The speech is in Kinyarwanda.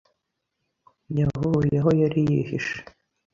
yavuye aho yari yihishe.